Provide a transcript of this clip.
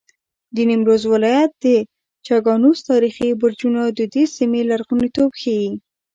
د نیمروز ولایت د چګانوس تاریخي برجونه د دې سیمې لرغونتوب ښیي.